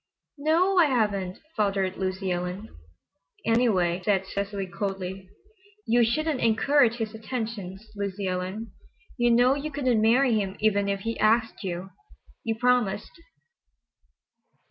"No—o—o, I haven't," faltered Lucy Ellen. "Anyway," said Cecily coldly, "you shouldn't encourage his attentions, Lucy Ellen; you know you couldn't marry him even if he asked you. You promised."